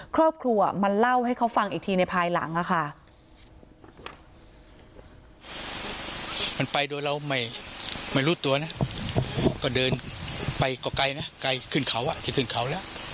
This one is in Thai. ครอบครัวมาเล่าให้เขาฟังอีกทีในภายหลังค่ะ